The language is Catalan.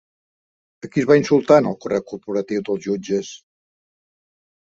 A qui es va insultar en el correu corporatiu dels jutges?